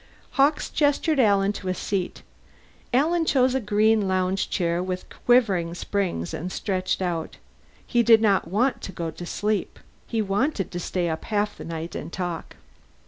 Hawkes gestured Alan to a seat; Alan chose a green lounge chair with quivering springs and stretched out. He did not want to go to sleep; he wanted to stay up half the night and talk.